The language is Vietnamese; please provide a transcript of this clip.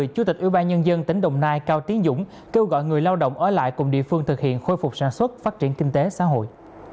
chủ tịch ubnd tỉnh đồng nai cao tiến dũng kêu gọi người lao động ở lại cùng địa phương thực hiện khôi phục sản xuất phát triển kinh tế xã hội